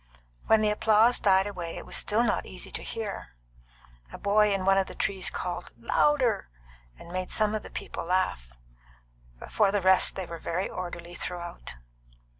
When the applause died away it was still not easy to hear; a boy in one of the trees called, "Louder!" and made some of the people laugh, but for the rest they were very orderly throughout.